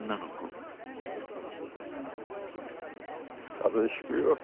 風邪ひくよ。